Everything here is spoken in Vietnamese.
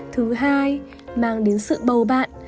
thứ hai mang đến sự bầu bạn